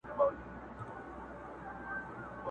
له جانانه مي ګيله ده؛